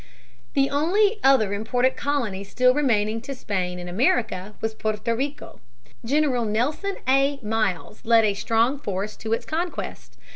The only other important colony still remaining to Spain in America was Porto Rico. General Nelson A. Miles led a strong force to its conquest.